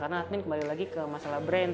karena admin kembali lagi ke masalah brand